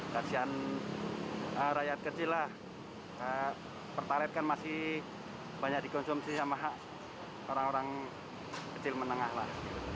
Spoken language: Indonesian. kasihan rakyat kecil lah pertaret kan masih banyak dikonsumsi sama hak orang orang kecil menengah lah